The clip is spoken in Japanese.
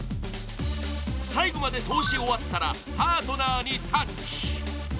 最後まで通し終わったらパートナーにタッチ。